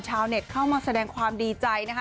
ชาวเน็ตเข้ามาแสดงความดีใจนะคะ